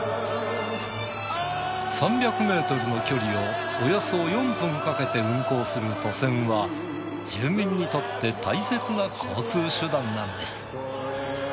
３００ｍの距離をおよそ４分かけて運航する渡船は住民にとって大切な交通手段なんです。ねぇ。